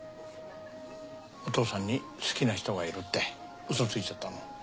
お父さんに好きな人がいるってウソついちゃったの？